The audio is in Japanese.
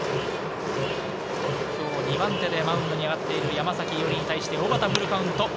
今日２番手でマウンドに上がっている山崎伊織に対して小幡フルカウント。